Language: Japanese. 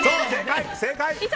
正解！